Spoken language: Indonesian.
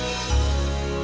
mas pur gak puasa ya